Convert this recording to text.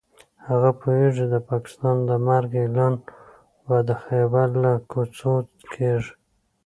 هغه پوهېږي د پاکستان د مرګ اعلان به د خېبر له څوکو کېږي.